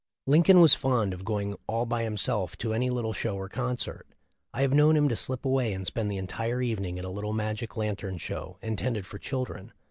Lincoln was fond of going all by himself to any little show or concert. I have known him to slip away and spend the entire evening at a little magic lantern show intended for children.